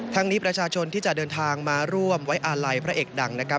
นี้ประชาชนที่จะเดินทางมาร่วมไว้อาลัยพระเอกดังนะครับ